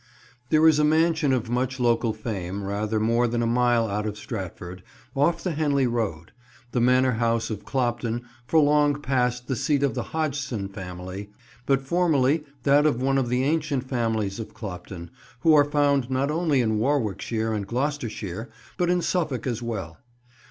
THERE is a mansion of much local fame rather more than a mile out of Stratford, off the Henley road: the manor house of Clopton, for long past the seat of the Hodgson family, but formerly that of one of the ancient families of Clopton, who are found not only in Warwickshire and Gloucestershire, but in Suffolk as well.